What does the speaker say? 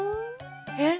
えっ？